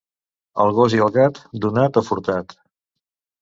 El gos i el gat, donat o furtat.